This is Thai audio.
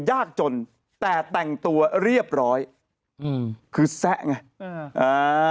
ยากจนแต่แต่งตัวเรียบร้อยอืมคือแซะไงเอออ่า